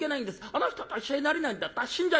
あの人と一緒になれないんだったら死んじゃいます。